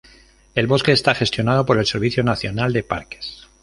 El bosque está gestionado por el Servicio Nacional de Parques.